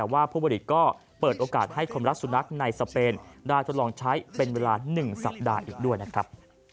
ว่าผู้ผลิตก็เปิดโอกาสให้คนรักสุนัขในสเปนได้ทดลองใช้เป็นเวลา๑สัปดาห์อีกด้วยนะครับ